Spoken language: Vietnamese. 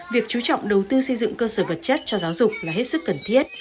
việc chú trọng đầu tư xây dựng cơ sở vật chất cho giáo dục là hết sức cần thiết